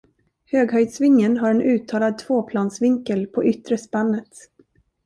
Hög-höjdsvingen har en uttalad tvåplansvinkel på yttre spannet.